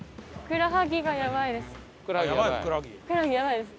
ふくらはぎやばいです。